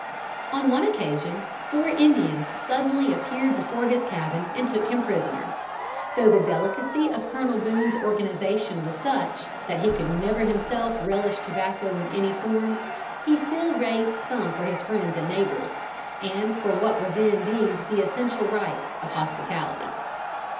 On one occasion, four Indians suddenly appeared before his cabin and took him prisoner. Though the delicacy of Colonel Boone's organization was such, that he could never himself relish tobacco in any form, he still raised some for his friends and neighbors, and for what were then deemed the essential rites of hospitality.